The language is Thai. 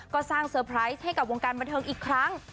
ก็สร้างเซอร์ไพรส์ให้กับวงการบันเทิงอีกครั้ง